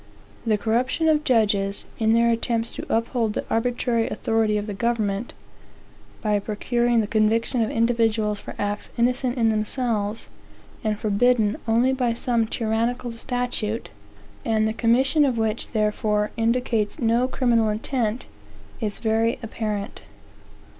The corruption of judges, in their attempts to uphold the arbitrary authority of the government, by procuring the conviction of individuals for acts innocent in themselves, and forbidden only by some tyrannical statute, and the commission of which therefore indicates no criminal intent, is very apparent.